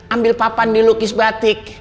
ambil papan dilukis batik